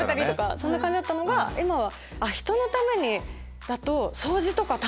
そんな感じだったのが今は。